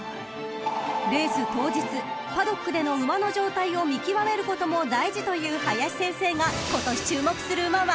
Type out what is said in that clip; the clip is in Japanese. ［レース当日パドックでの馬の状態を見極めることも大事という林先生が今年注目する馬は？］